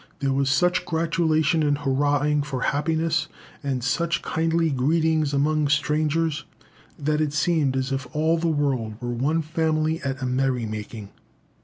There was such gratulation and hurrahing for happiness, and such kindly greeting among strangers, that it seemed as if all the world were one family at a merry making.